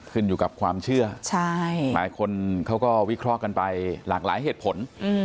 ขึ้นอยู่กับความเชื่อหลายคนเขาก็วิเคราะห์กันไปหลากหลายเหตุผล